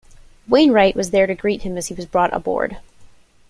Wainwright was there to greet him as he was brought aboard.